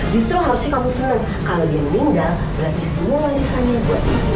justru harusnya kamu seneng kalau dia meninggal berarti semua risanya buat ibu